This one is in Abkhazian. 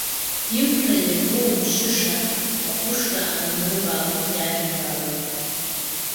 Иқәра ианоумшьаша аҟәышра рнубаалоит иажәеинраалақәа.